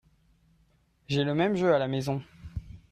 J'ai le même jeu à la maison.